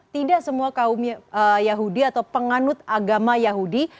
tidak semua kaum yahudi atau penganut agama yahudi